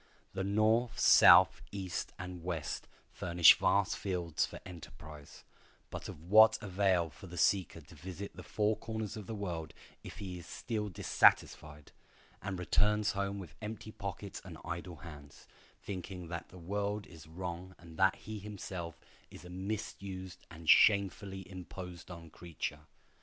The North, South, East, and West furnish vast fields for enterprise; but of what avail for the seeker to visit the four corners of the world if he still is dissatisfied, and returns home with empty pockets and idle hands, thinking that the world is wrong and that he himself is a misused and shamefully imposed on creature?